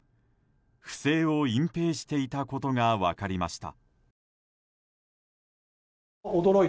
不正を隠ぺいしていたことが分かりました。